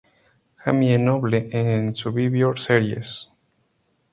Jamie Noble en Survivor Series.